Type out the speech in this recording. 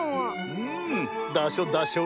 うん。